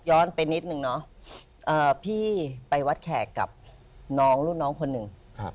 ย้อนไปนิดนึงเนาะพี่ไปวัดแขกกับน้องลูกคนหนึ่ง